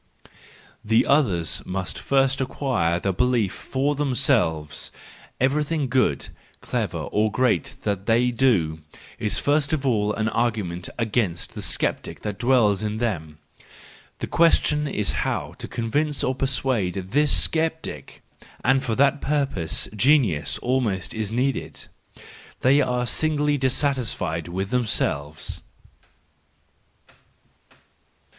The others must first acquire the belief for them¬ selves : everything good, clever, or great that they do, is first of all an argument against the sceptic that dwells in them : the question is how to con¬ vince or persuade this sceptic , and for that purpose genius almost is needed. They are signally dis¬ satisfied with themselves.